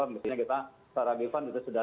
misalnya kita secara agifan itu sudah